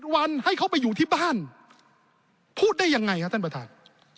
วันให้เขาไปอยู่ที่บ้านพูดได้ยังไงครับท่านประธาน